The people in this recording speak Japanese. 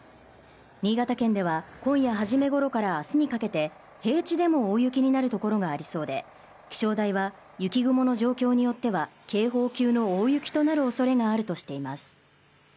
新潟県では今夜初めごろからあすにかけて平地でも大雪になる所がありそうで気象台は雪雲の状況によっては警報級の大雪となるおそれがあるとしています